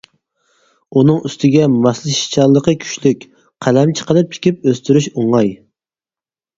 ئۇنىڭ ئۈستىگە ماسلىشىشچانلىقى كۈچلۈك، قەلەمچە قىلىپ تىكىپ ئۆستۈرۈش ئوڭاي.